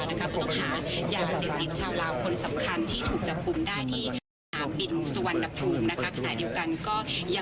ที่ถูกหาแยกยาเสกติดชาวราวสำคัญที่ถูกจับคุมท้ายท่านในชีวิตการเบนก็ค่ะ